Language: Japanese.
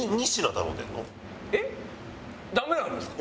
えっダメなんですか？